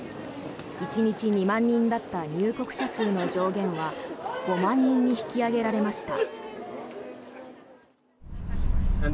１日２万人だった入国者数の上限は５万人に引き上げられました。